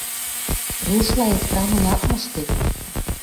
Рушлаэт прамой ак мыштеп.